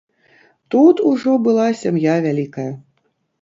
Тут ужо была сям'я вялікая.